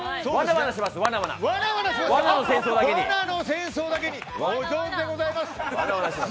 罠の戦争だけにお上手でございます。